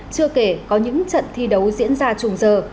chưa kể có những trận thi đấu diễn ra trùm giờ